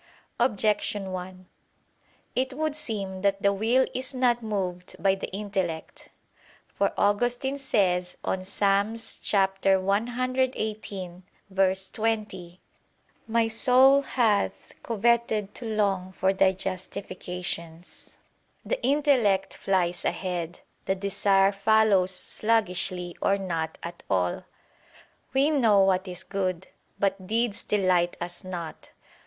Objection 1: It would seem that the will is not moved by the intellect. For Augustine says on Ps. 118:20: "My soul hath coveted to long for Thy justifications: The intellect flies ahead, the desire follows sluggishly or not at all: we know what is good, but deeds delight us not."